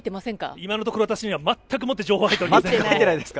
今のところ私には全くもって情報は入ってきておりません。